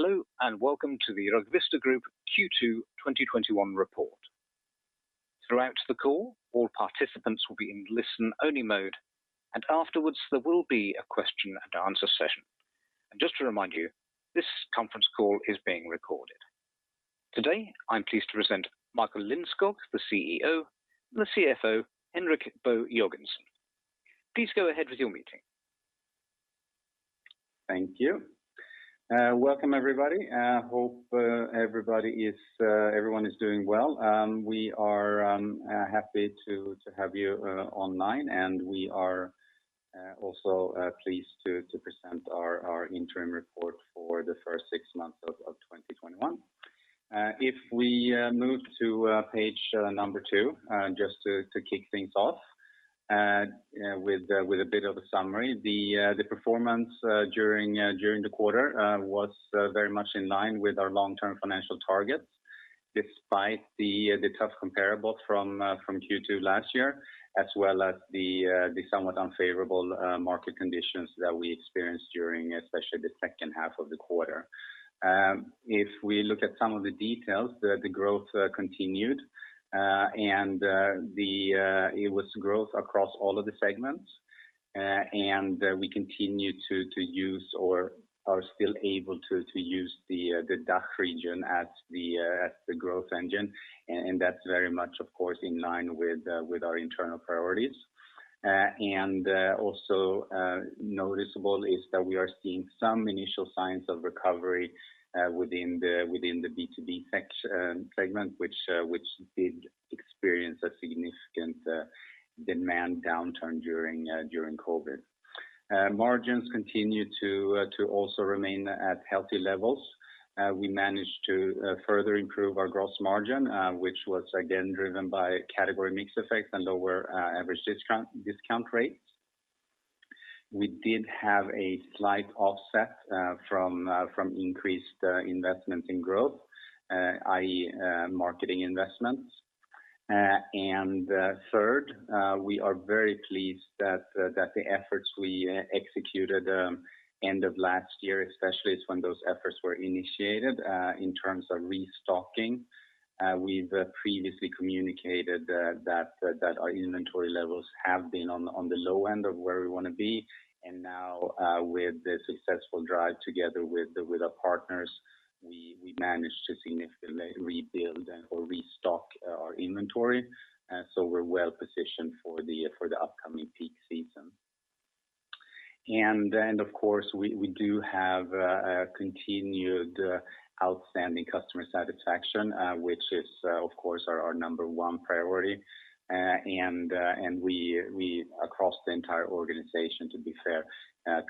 Hello, welcome to the RugVista Group Q2 2021 report. Throughout the call, all participants will be in listen-only mode, and afterwards, there will be a question and answer session. Just to remind you, this conference call is being recorded. Today, I'm pleased to present Michael Lindskog, the CEO, and the CFO, Henrik Bo Jørgensen. Please go ahead with your meeting. Thank you. Welcome everybody. Hope everyone is doing well. We are happy to have you online, we are also pleased to present our interim report for the first six months of 2021. If we move to page number two, just to kick things off with a bit of a summary. The performance during the quarter was very much in line with our long-term financial targets, despite the tough comparables from Q2 last year, as well as the somewhat unfavorable market conditions that we experienced during especially the 2nd half of the quarter. If we look at some of the details, the growth continued, and it was growth across all of the segments. We continue to use or are still able to use the DACH region as the growth engine, and that's very much, of course, in line with our internal priorities. Also noticeable is that we are seeing some initial signs of recovery within the B2B segment, which did experience a significant demand downturn during COVID. Margins continued to also remain at healthy levels. We managed to further improve our gross margin, which was again driven by category mix effects and lower average discount rates. We did have a slight offset from increased investments in growth, i.e., marketing investments. Third, we are very pleased that the efforts we executed end of last year, especially is when those efforts were initiated, in terms of restocking. We've previously communicated that our inventory levels have been on the low end of where we want to be, and now with the successful drive together with our partners, we managed to significantly rebuild or restock our inventory. We're well-positioned for the upcoming peak season. Of course, we do have continued outstanding customer satisfaction, which is, of course, our number one priority. We, across the entire organization, to be fair,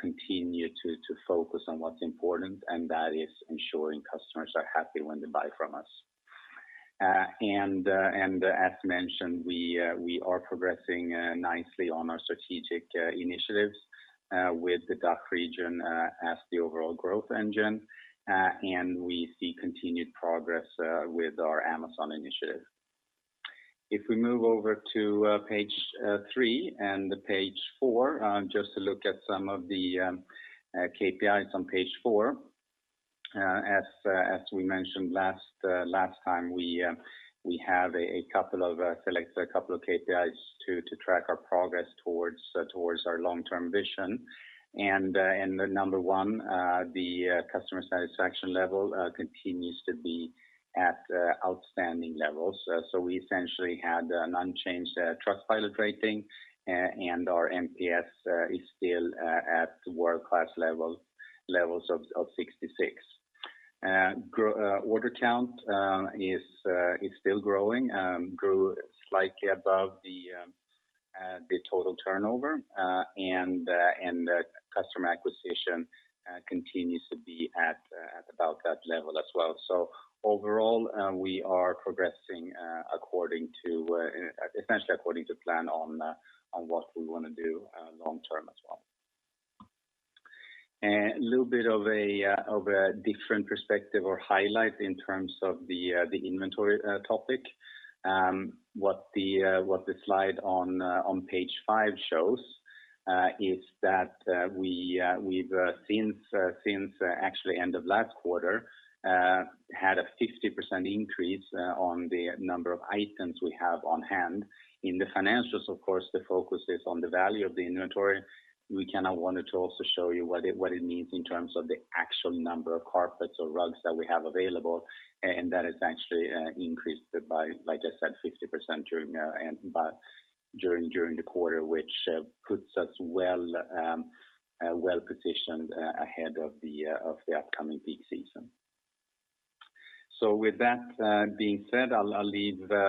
continue to focus on what's important, and that is ensuring customers are happy when they buy from us. As mentioned, we are progressing nicely on our strategic initiatives with the DACH region as the overall growth engine, and we see continued progress with our Amazon initiative. If we move over to page three and page four, just to look at some of the KPIs on page four. As we mentioned last time, we have a couple of selects, a couple of KPIs to track our progress towards our long-term vision. Number one, the customer satisfaction level continues to be at outstanding levels. We essentially had an unchanged Trustpilot rating, and our NPS is still at world-class levels of 66. Order count is still growing, grew slightly above the total turnover, customer acquisition continues to be at about that level as well. Overall, we are progressing essentially according to plan on what we want to do long-term as well. A little bit of a different perspective or highlight in terms of the inventory topic. What the slide on page five shows is that we've, since actually end of last quarter, had a 60% increase on the number of items we have on hand. In the financials, of course, the focus is on the value of the inventory. We kind of wanted to also show you what it means in terms of the actual number of carpets or rugs that we have available. That has actually increased by, like I said, 60% during the quarter, which puts us well-positioned ahead of the upcoming peak season. With that being said, I'll leave the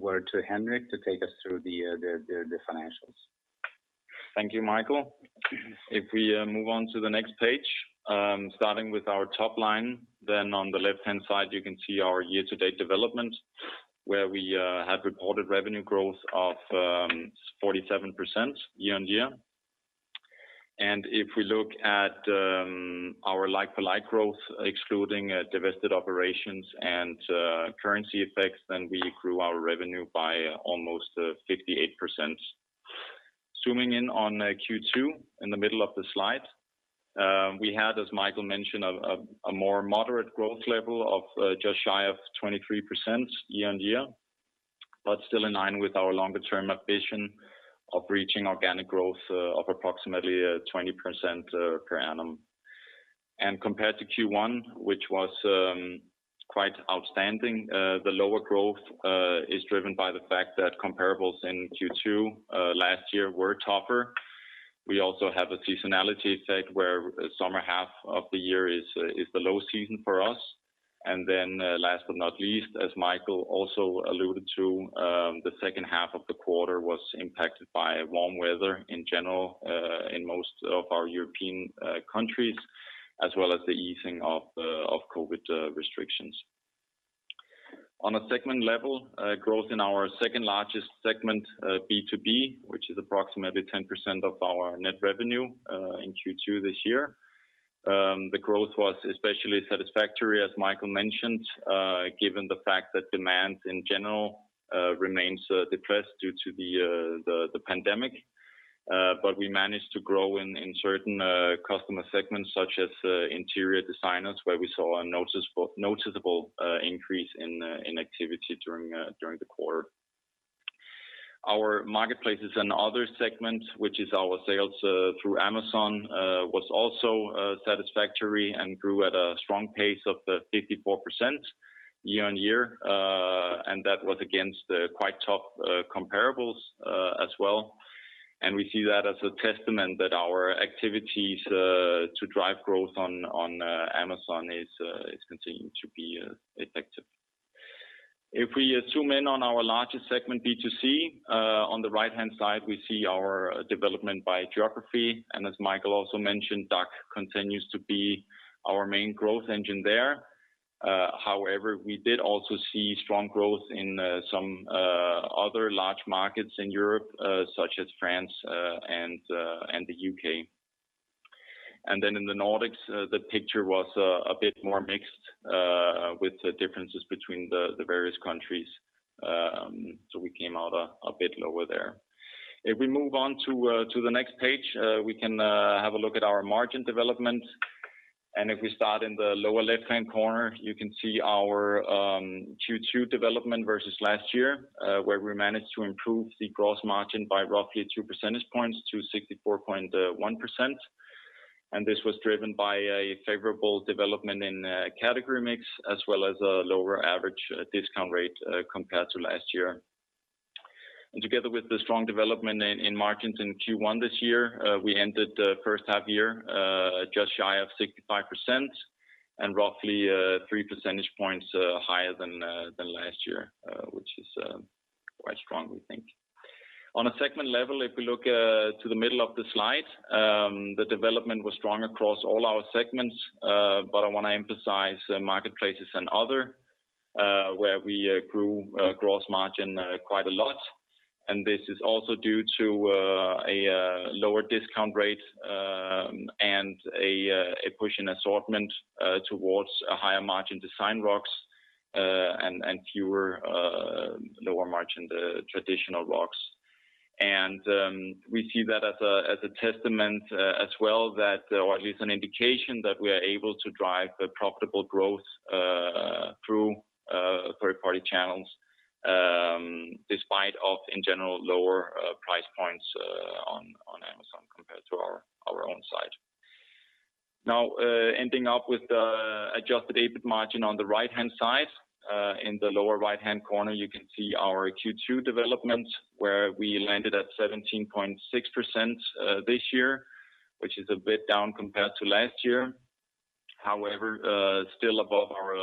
word to Henrik to take us through the financials. Thank you, Michael. If we move on to the next page, starting with our top line, on the left-hand side, you can see our year-to-date development, where we have reported revenue growth of 47% year-on-year. If we look at our like-for-like growth, excluding divested operations and currency effects, then we grew our revenue by almost 58%. Zooming in on Q2 in the middle of the slide. We had, as Michael mentioned, a more moderate growth level of just shy of 23% year-on-year, but still in line with our longer-term ambition of reaching organic growth of approximately 20% per annum. Compared to Q1, which was quite outstanding, the lower growth is driven by the fact that comparables in Q2 last year were tougher. We also have a seasonality effect where summer half of the year is the low season for us. Last but not least, as Michael also alluded to, the second half of the quarter was impacted by warm weather in general in most of our European countries, as well as the easing of COVID restrictions. On a segment level, growth in our second-largest segment, B2B, which is approximately 10% of our net revenue in Q2 this year, was especially satisfactory, as Michael mentioned, given the fact that demand in general remains depressed due to the pandemic. We managed to grow in certain customer segments, such as interior designers, where we saw a noticeable increase in activity during the quarter. Our Marketplaces & Other segment, which is our sales through Amazon, was also satisfactory and grew at a strong pace of 54% year-on-year, that was against quite tough comparables as well. We see that as a testament that our activities to drive growth on Amazon is continuing to be effective. If we zoom in on our largest segment, B2C, on the right-hand side, we see our development by geography. As Michael also mentioned, DACH continues to be our main growth engine there. However, we did also see strong growth in some other large markets in Europe, such as France and the U.K. In the Nordics, the picture was a bit more mixed, with differences between the various countries. We came out a bit lower there. If we move on to the next page, we can have a look at our margin development. If we start in the lower left-hand corner, you can see our Q2 development versus last year, where we managed to improve the gross margin by roughly 2 percentage points to 64.1%. This was driven by a favorable development in category mix as well as a lower average discount rate compared to last year. Together with the strong development in margins in Q1 this year, we ended the first half year just shy of 65% and roughly 3 percentage points higher than last year, which is quite strong, we think. On a segment level, if we look to the middle of the slide, the development was strong across all our segments. I want to emphasize Marketplaces & Other, where we grew gross margin quite a lot. This is also due to a lower discount rate and a push in assortment towards a higher margin design rugs and fewer lower margin traditional rugs. We see that as a testament as well, or at least an indication that we are able to drive profitable growth through third-party channels, despite, in general, lower price points on Amazon compared to our own site. Ending up with the adjusted EBIT margin on the right-hand side. In the lower right-hand corner, you can see our Q2 development, where we landed at 17.6% this year, which is a bit down compared to last year. However, still above our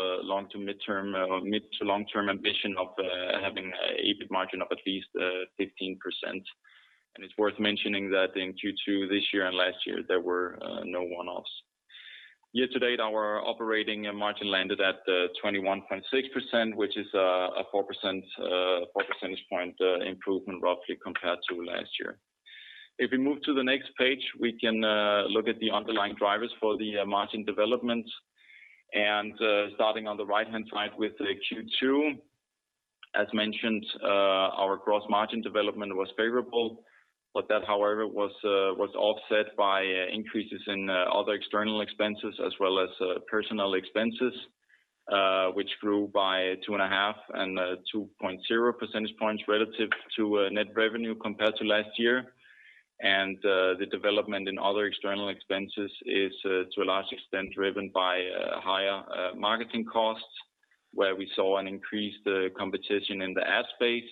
mid to long-term ambition of having an EBIT margin of at least 15%. It's worth mentioning that in Q2 this year and last year, there were no one-offs. Year to date, our operating margin landed at 21.6%, which is a 4 percentage point improvement roughly compared to last year. If we move to the next page, we can look at the underlying drivers for the margin development. Starting on the right-hand side with the Q2, as mentioned, our gross margin development was favorable. That, however, was offset by increases in other external expenses as well as personnel expenses, which grew by 2.5 and 2.0 percentage points relative to net revenue compared to last year. The development in other external expenses is to a large extent driven by higher marketing costs, where we saw an increased competition in the ad space.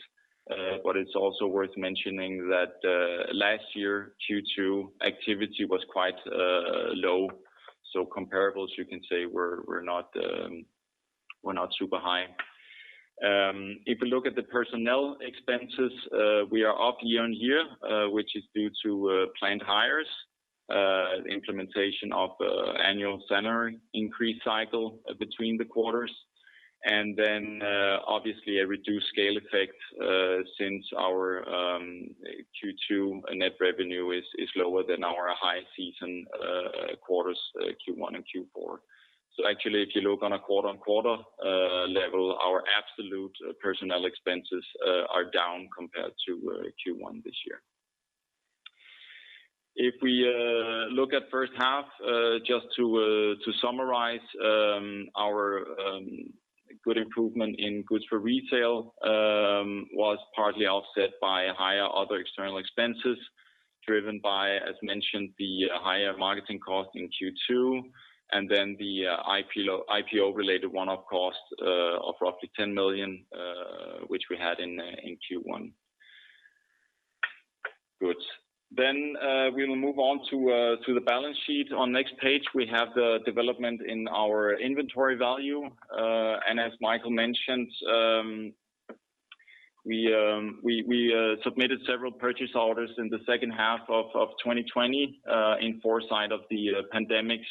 It's also worth mentioning that last year, Q2 activity was quite low. Comparables, you can say, were not too behind. You look at the personnel expenses, we are up year-on-year, which is due to planned hires, the implementation of annual salary increase cycle between the quarters, and then obviously a reduced scale effect since our Q2 net revenue is lower than our high season quarters, Q1 and Q4. Actually, if you look on a quarter-on-quarter level, our absolute personnel expenses are down compared to Q1 this year. We look at the first half, just to summarize, our good improvement in goods for retail was partly offset by higher other external expenses driven by, as mentioned, the higher marketing cost in Q2, and then the IPO-related one-off cost of roughly 10 million, which we had in Q1. Good. We'll move on to the balance sheet. On the next page, we have the development in our inventory value. As Michael mentioned, we submitted several purchase orders in the second half of 2020 in foresight of the pandemic's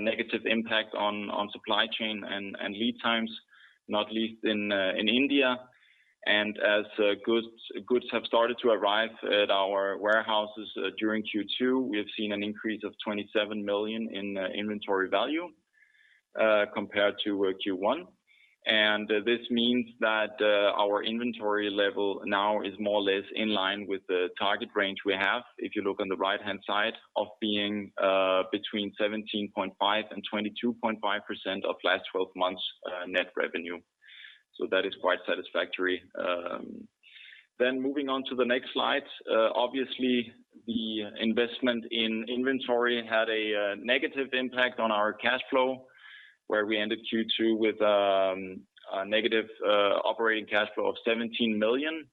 negative impact on supply chain and lead times, not least in India. As goods have started to arrive at our warehouses during Q2, we have seen an increase of 27 million in inventory value compared to Q1. This means that our inventory level now is more or less in line with the target range we have, if you look on the right-hand side, of being between 17.5% and 22.5% of last 12 months net revenue. That is quite satisfactory. Moving on to the next slide. Obviously, the investment in inventory had a negative impact on our cash flow, where we ended Q2 with a negative operating cash flow of 17 million.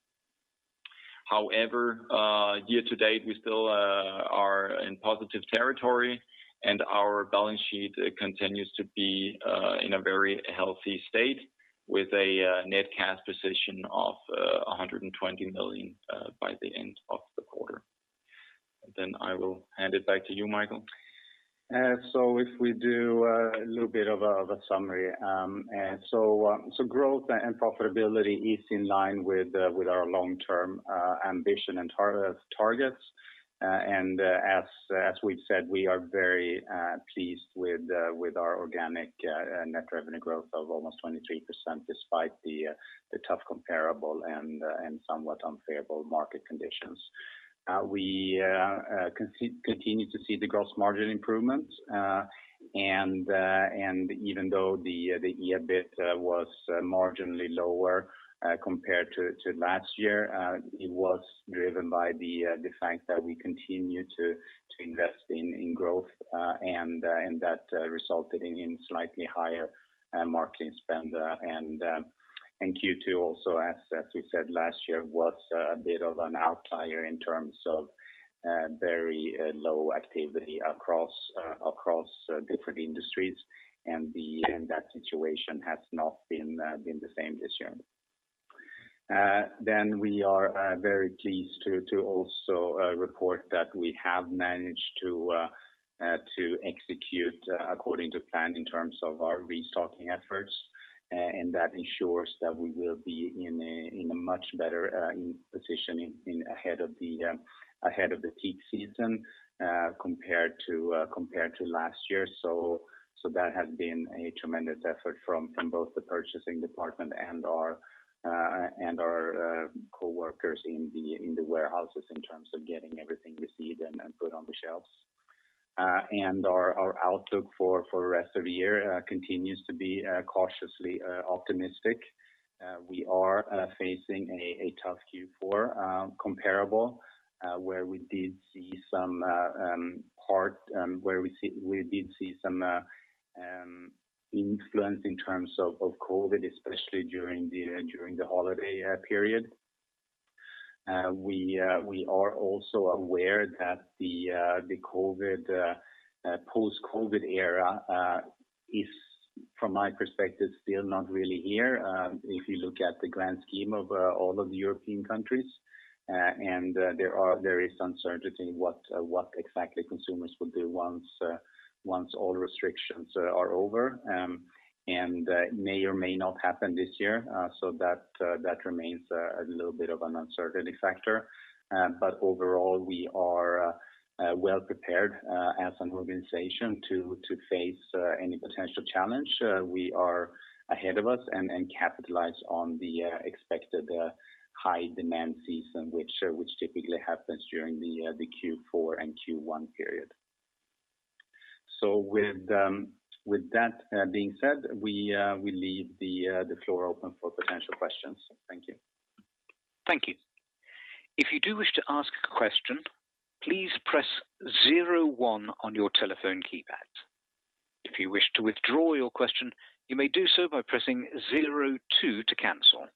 Year to date, we still are in positive territory, and our balance sheet continues to be in a very healthy state with a net cash position of 120 million by the end of the quarter. I will hand it back to you, Michael. If we do a little bit of a summary. Growth and profitability is in line with our long-term ambition and targets. As we've said, we are very pleased with our organic net revenue growth of almost 23%, despite the tough comparable and somewhat unfavorable market conditions. We continue to see the gross margin improvements. Even though the EBIT was marginally lower compared to last year, it was driven by the fact that we continue to invest in growth and that resulted in slightly higher marketing spend. Q2 also, as we said last year, was a bit of an outlier in terms of very low activity across different industries, and that situation has not been the same this year. We are very pleased to also report that we have managed to execute according to plan in terms of our restocking efforts. That ensures that we will be in a much better position ahead of the peak season compared to last year. That has been a tremendous effort from both the purchasing department and our coworkers in the warehouses in terms of getting everything received and put on the shelves. Our outlook for the rest of the year continues to be cautiously optimistic. We are facing a tough Q4 comparable, where we did see some influence in terms of COVID, especially during the holiday period. We are also aware that the post-COVID era is, from my perspective, still not really here if you look at the grand scheme of all of the European countries. There is uncertainty what exactly consumers will do once all restrictions are over, and may or may not happen this year. That remains a little bit of an uncertainty factor. Overall, we are well prepared as an organization to face any potential challenge we are ahead of us and capitalize on the expected high demand season, which typically happens during the Q4 and Q1 period. With that being said, we leave the floor open for potential questions. Thank you. Thank you. If you do wish to ask a question, please press zero one on your telephone keypad. If you wish to withdraw your question, you may do so by pressing zero two to cancel.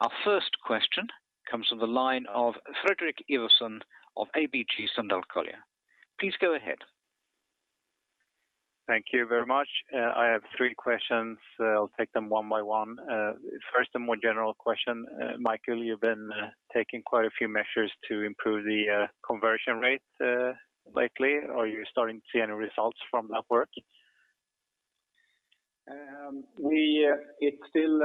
Our first question comes from the line of Fredrik Ivarsson of ABG Sundal Collier. Please go ahead. Thank you very much. I have three questions. I'll take them one by one. First, a more general question. Michael, you've been taking quite a few measures to improve the conversion rate lately. Are you starting to see any results from that work? It's still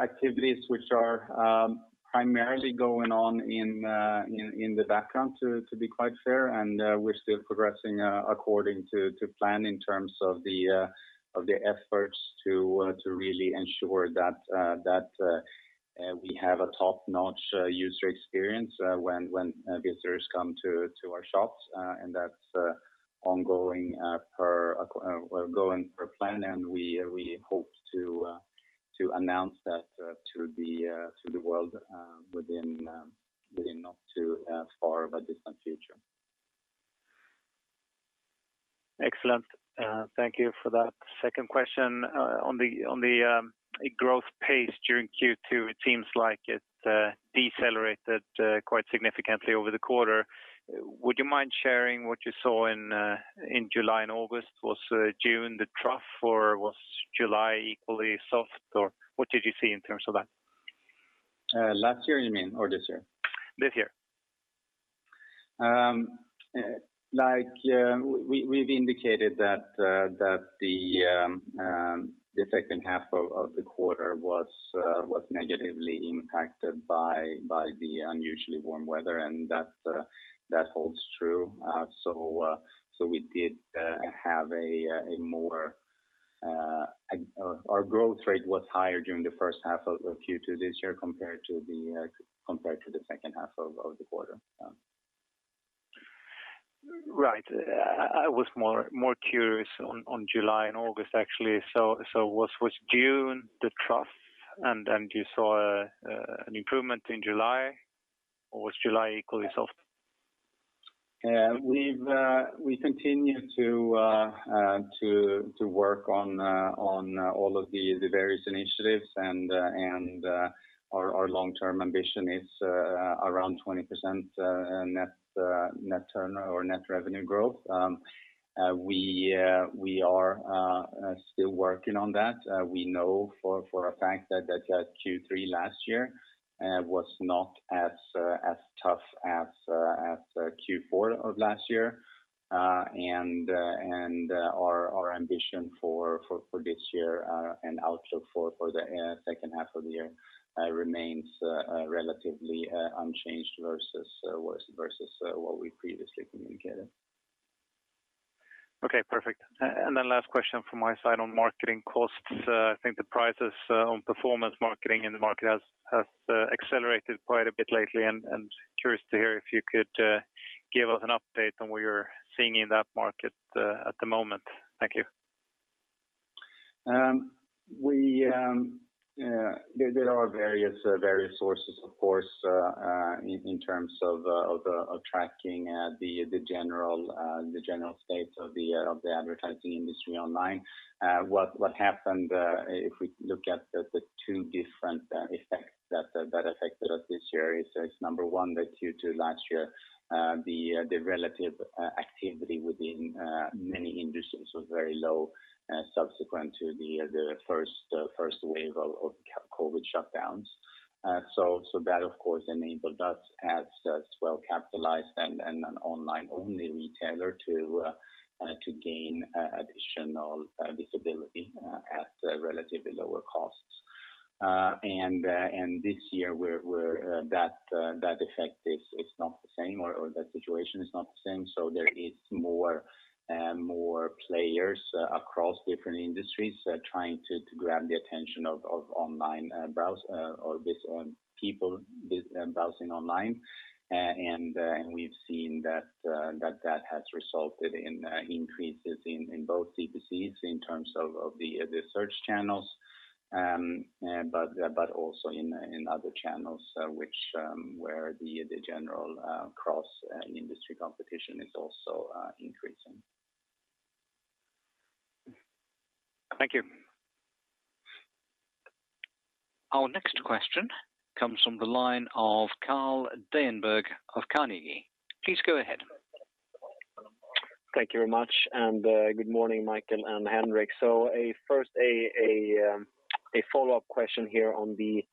activities which are primarily going on in the background, to be quite fair, and we're still progressing according to plan in terms of the efforts to really ensure that we have a top-notch user experience when visitors come to our shops, and that's ongoing per plan, and we hope to announce that to the world within not too far of a distant future. Excellent. Thank you for that. Second question, on the growth pace during Q2, it seems like it decelerated quite significantly over the quarter. Would you mind sharing what you saw in July and August? Was June the trough, or was July equally soft? What did you see in terms of that? Last year, you mean, or this year? This year. We've indicated that the second half of the quarter was negatively impacted by the unusually warm weather, and that holds true. Our growth rate was higher during the first half of Q2 this year compared to the second half of the quarter. Right. I was more curious on July and August, actually. Was June the trough, and you saw an improvement in July, or was July equally soft? We continue to work on all of the various initiatives, and our long-term ambition is around 20% net turnover or net revenue growth. We are still working on that. We know for a fact that Q3 last year was not as tough as Q4 of last year. Our ambition for this year and outlook for the second half of the year remains relatively unchanged versus what we previously communicated. Okay, perfect. Last question from my side on marketing costs. I think the prices on performance marketing in the market has accelerated quite a bit lately, and curious to hear if you could give us an update on what you're seeing in that market at the moment. Thank you. There are various sources, of course, in terms of tracking the general state of the advertising industry online. What happened, if we look at the two different effects that affected us this year, is number one, that Q2 last year, the relative activity within many industries was very low subsequent to the first wave of COVID shutdowns. That, of course, enabled us as well-capitalized and an online-only retailer to gain additional visibility at relatively lower costs. This year, that effect is not the same, or the situation is not the same. There is more players across different industries trying to grab the attention of people browsing online. We've seen that has resulted in increases in both CPCs in terms of the search channels, but also in other channels where the general cross-industry competition is also increasing. Thank you. Our next question comes from the line of Carl Deijenberg of Carnegie. Please go ahead. Thank you very much, and good morning, Michael and Henrik. First, a follow-up question here on the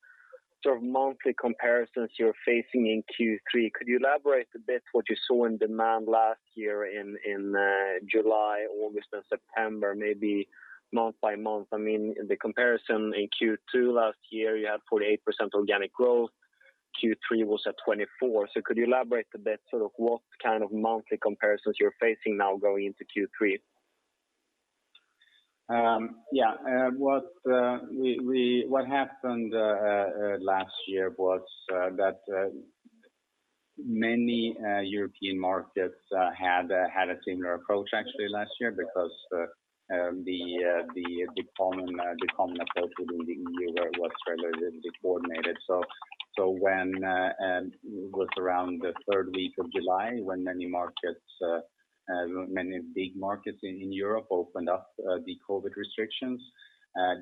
sort of monthly comparisons you're facing in Q3. Could you elaborate a bit what you saw in demand last year in July, August, and September, maybe month by month? The comparison in Q2 last year, you had 48% organic growth. Q3 was at 24%. Could you elaborate a bit sort of what kind of monthly comparisons you're facing now going into Q3? Yeah. What happened last year was that many European markets had a similar approach actually last year because the common approach within the EU was relatively coordinated. It was around the third week of July when many big markets in Europe opened up the COVID restrictions.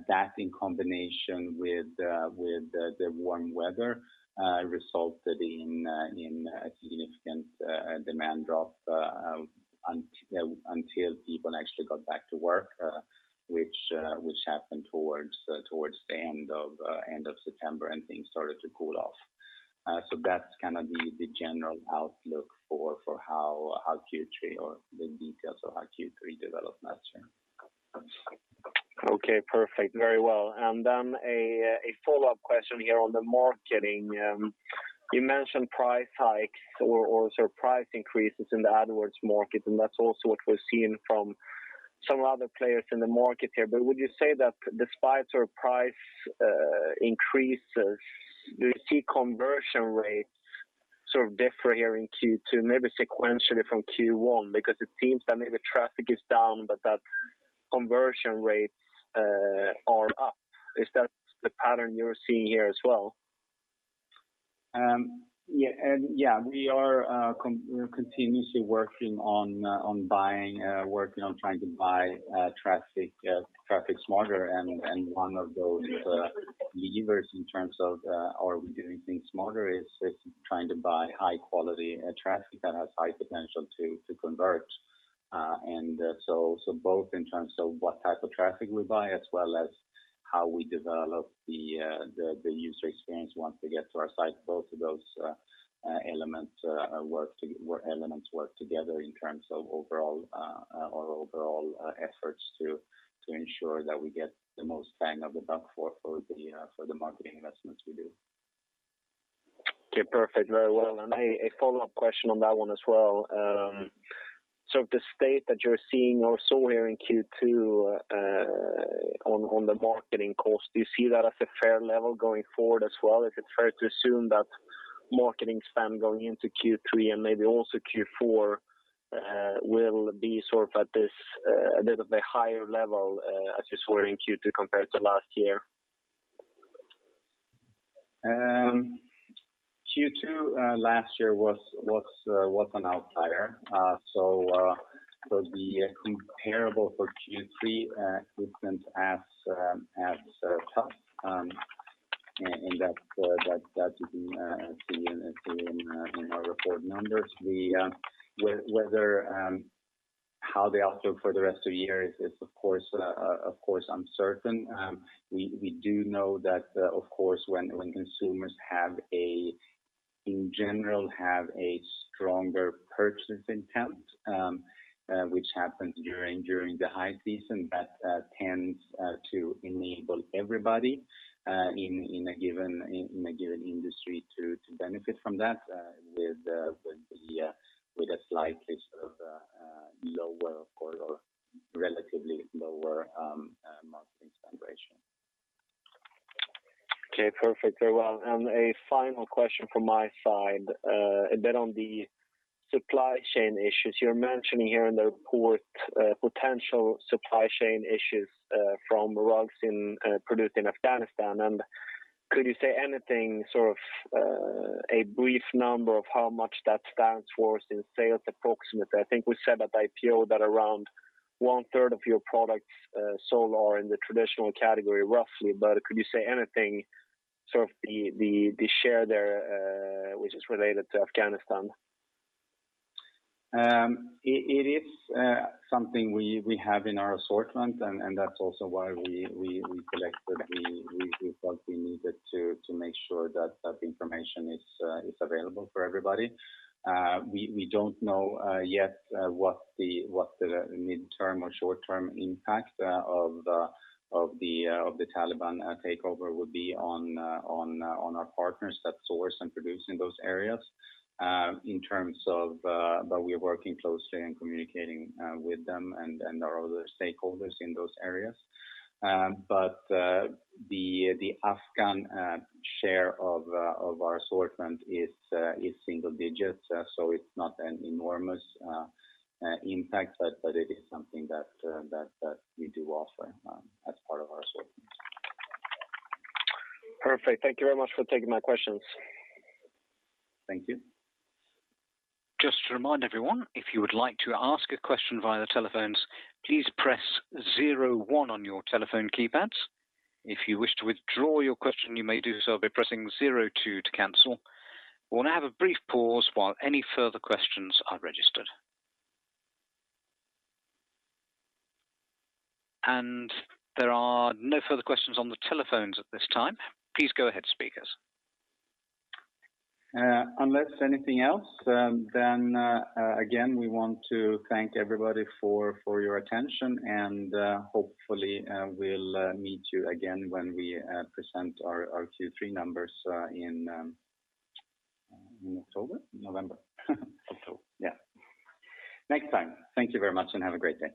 That, in combination with the warm weather, resulted in a significant demand drop until people actually got back to work, which happened towards the end of September and things started to cool off. That's kind of the general outlook for the details of how Q3 developed last year. Okay, perfect. Very well. A follow-up question here on the marketing. You mentioned price hikes or price increases in the AdWords market. That's also what we're seeing from some other players in the market here. Would you say that despite price increases, do you see conversion rates differ here in Q2, maybe sequentially from Q1? It seems that maybe traffic is down, but that conversion rates are up. Is that the pattern you're seeing here as well? Yeah. We are continuously working on trying to buy traffic smarter and one of those levers in terms of are we doing things smarter is trying to buy high quality traffic that has high potential to convert. Both in terms of what type of traffic we buy, as well as how we develop the user experience once they get to our site, both of those elements work together in terms of our overall efforts to ensure that we get the most bang of the buck for the marketing investments we do. Okay, perfect. Very well. A follow-up question on that one as well. The state that you're seeing also here in Q2 on the marketing cost, do you see that as a fair level going forward as well? Is it fair to assume that marketing spend going into Q3 and maybe also Q4 will be at this a little bit higher level as you saw in Q2 compared to last year? Q2 last year was an outlier. The comparable for Q3 isn't as tough and that you can see in our report numbers. How the outlook for the rest of the year is of course uncertain. We do know that, of course, when consumers in general have a stronger purchase intent, which happens during the high season, that tends to enable everybody in a given industry to benefit from that with a slightly lower or relatively lower marketing spend ratio. Okay, perfect. Very well. A final question from my side, a bit on the supply chain issues. You are mentioning here in the report potential supply chain issues from rugs produced in Afghanistan and could you say anything, a brief number of how much that stands for us in sales approximately? I think we said at IPO that around one third of your products sold are in the traditional category, roughly. Could you say anything, the share there which is related to Afghanistan? It is something we have in our assortment, and that's also why we collected the results we needed to make sure that that information is available for everybody. We don't know yet what the mid-term or short-term impact of the Taliban takeover would be on our partners that source and produce in those areas. We are working closely and communicating with them and our other stakeholders in those areas. The Afghan share of our assortment is single digits, so it's not an enormous impact, but it is something that we do offer as part of our assortment. Perfect. Thank you very much for taking my questions. Thank you. Just to remind everyone, if you would like to ask a question via the telephones, please press zero one on your telephone keypads. If you wish to withdraw your question, you may do so by pressing zero two to cancel. We'll now have a brief pause while any further questions are registered. And there are no further questions on the telephones at this time. Please go ahead, speakers. Unless anything else, again, we want to thank everybody for your attention, and hopefully we'll meet you again when we present our Q3 numbers in October? November. October. Yeah. Next time. Thank you very much and have a great day.